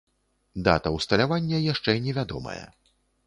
Дата ўсталявання яшчэ невядомая.